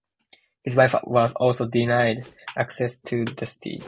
His wife was also denied access to the city.